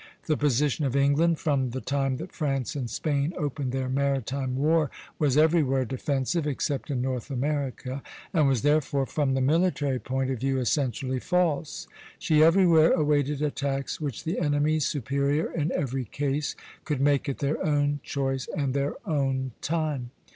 The position of England from the time that France and Spain opened their maritime war was everywhere defensive, except in North America; and was therefore, from the military point of view, essentially false. She everywhere awaited attacks which the enemies, superior in every case, could make at their own choice and their own time.